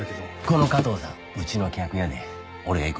この加藤さんうちの客やで俺が行くわ。